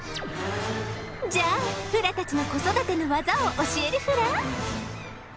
じゃあフラたちの子育てのワザを教えるフラ。